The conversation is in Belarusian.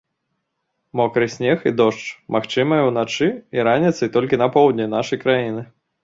Мокры снег і дождж магчымыя ўначы і раніцай толькі на поўдні нашай краіны.